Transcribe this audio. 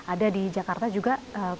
ada di jakarta juga